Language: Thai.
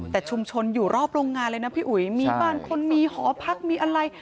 แต่ชุมชนอยู่รอบโรงงานเลยนะพี่อุ๋ยมีบ้านคนมีหอพักมีอะไร